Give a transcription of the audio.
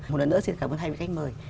một lần nữa xin cảm ơn hai vị khách mời